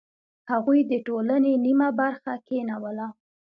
هغوی د ټولنې نیمه برخه کینوله.